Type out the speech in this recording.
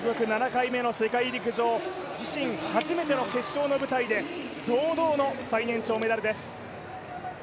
７回目の世界陸上、自身初めての決勝の舞台で堂々の最年長メダルです。